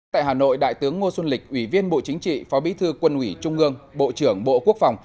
tại hà nội đại tướng ngô xuân lịch ủy viên bộ chính trị phó bí thư quân ủy trung ương bộ trưởng bộ quốc phòng